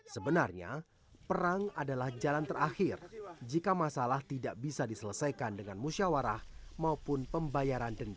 sebenarnya perang adalah jalan terakhir jika masalah tidak bisa diselesaikan dengan musyawarah maupun pembayaran denda